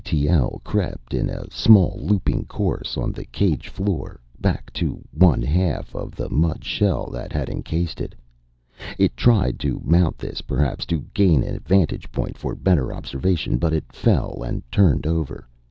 T.L. crept in a small looping course on the cage floor, back to one half of the mud shell that had encased it. It tried to mount this, perhaps to gain a vantage point for better observation. But it fell and turned over.